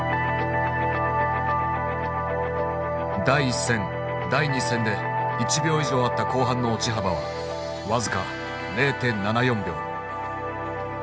第１戦第２戦で１秒以上あった後半の落ち幅は僅か０．７４秒。